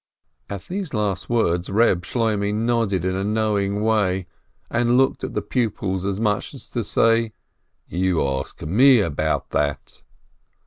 At these last words Reb Shloimeh nodded in a know ing way, and looked at the pupils as much as to say, "You ask me about that